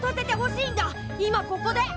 今ここで。